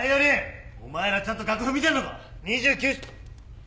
２９。